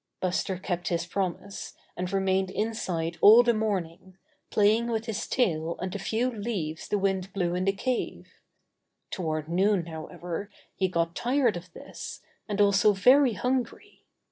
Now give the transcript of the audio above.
Buster kept his promise, and remained inside all the morning, playing with his tail and the few leaves the wind blew in the cave. Toward noon, however, he got tired of this, and also very hungry.